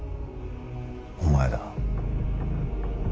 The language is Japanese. お前だ。